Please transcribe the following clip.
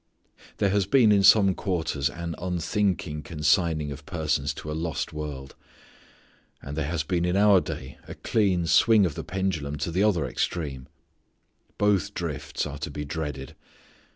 There has been in some quarters an unthinking consigning of persons to a lost world. And there has been in our day a clean swing of the pendulum to the other extreme. Both drifts are to be dreaded.